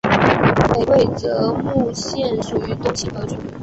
北魏绎幕县属于东清河郡。